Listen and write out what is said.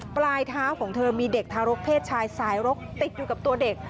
ปลายเท้าของเธอมีเด็กทารกเพศชายสายรกติดอยู่กับตัวเด็ก